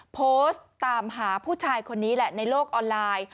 โพสต์ตามหาผู้ชายคนนี้แหละในโลกออนไลน์